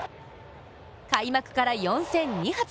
開幕から４戦２発。